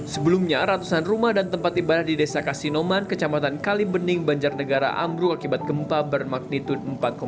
sebelumnya ratusan rumah dan tempat ibarat di desa kasinoman kecamatan kalimbening banjarnegara ambruk akibat gempa bermagnitud empat empat